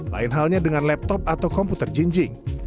lain halnya dengan laptop atau komputer jinjing